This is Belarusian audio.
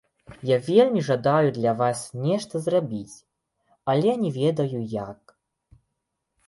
Я вельмі жадаю для вас нешта зрабіць, але не ведаю як.